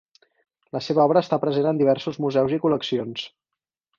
La seva obra està present en diversos museus i col·leccions.